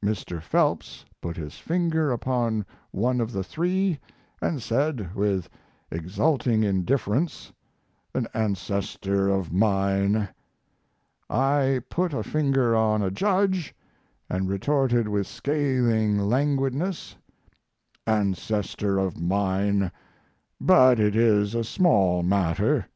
Mr. Phelps put his finger upon one of the three and said, with exulting indifference: "An ancestor of mine." I put a finger on a judge and retorted with scathing languidness: "Ancestor of mine. But it is a small matter.